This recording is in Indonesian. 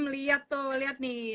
lihat tuh lihat nih